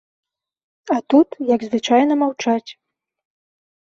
А тут, як звычайна маўчаць.